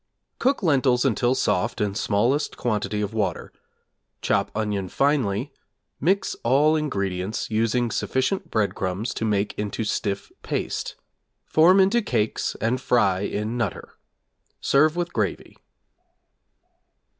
Cook lentils until soft in smallest quantity of water; chop onion finely; mix all ingredients, using sufficient breadcrumbs to make into stiff paste; form into cakes and fry in 'Nutter.' Serve with gravy.